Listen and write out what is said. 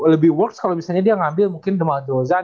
lebih works kalo misalnya dia ngambil mungkin the maldrozan